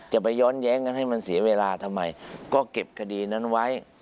จะไปย้อนแย้งกันให้มันเสียเวลาทำไมก็เก็บคดีนั้นไว้